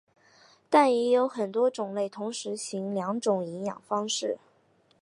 但也有很多种类同时行两种营养方式。